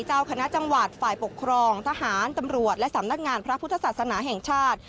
เจ้าคณะจังหวัดฝ่ายปกครองทหารตำรวจและสำนักงานพระพุทธศาสนาแห่งชาติ